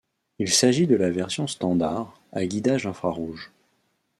Il s'agit de la version standard, à guidage infra-rouge.